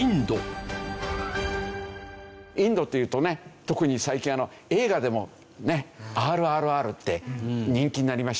インドっていうとね特に最近映画でもね『ＲＲＲ』って人気になりましたよね。